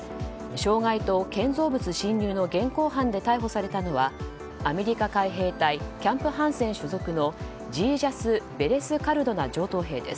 傷害と建造物侵入の現行犯で逮捕されたのはアメリカ海兵隊キャンプ・ハンセン所属のジージャス・ベレスカルドナ上等兵です。